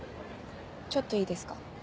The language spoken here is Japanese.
ちょっといいですか？